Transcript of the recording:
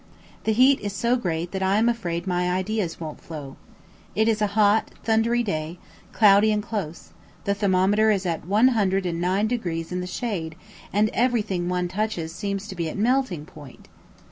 The heat is so great that I am afraid my ideas won't flow. It is a hot thundery day, cloudy and close, the thermometer is at 109 degrees in the shade, and everything one touches seems to be at melting point!